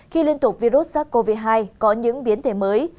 khi liên tục virus sars cov hai có những biến thể mới